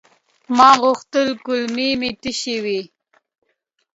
ما غوښتل کولمې مې تشي وي.